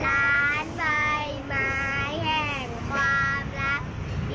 ร้านใบไม้แห่งความรัก